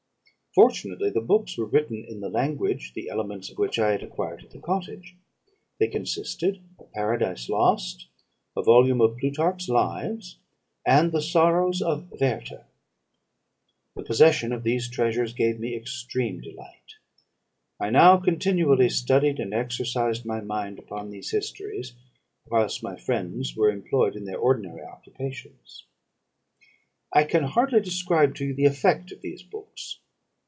Fortunately the books were written in the language, the elements of which I had acquired at the cottage; they consisted of 'Paradise Lost,' a volume of 'Plutarch's Lives,' and the 'Sorrows of Werter.' The possession of these treasures gave me extreme delight; I now continually studied and exercised my mind upon these histories, whilst my friends were employed in their ordinary occupations. "I can hardly describe to you the effect of these books.